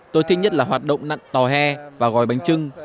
tôi thích nhất là hoạt động nặng tò he và gói bánh trưng